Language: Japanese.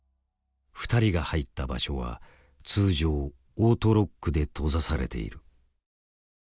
２人が入った場所は通常オートロックで閉ざされている。